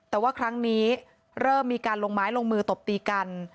แต่ว่าครั้งนี้เริ่มมีการลงไม้ลงมือตบตีกัน